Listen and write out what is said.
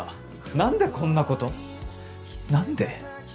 何でこんなこと何で？